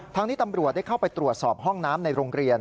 นี้ตำรวจได้เข้าไปตรวจสอบห้องน้ำในโรงเรียน